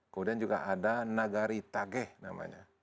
kemudian juga ada nagari tage namanya